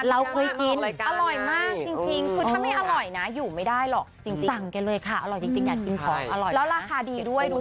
เออต่อหน้าไปเลยหรอไม่